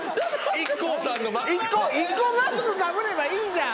ＩＫＫＯマスクかぶればいいじゃん。